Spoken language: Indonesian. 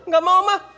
gak mau mah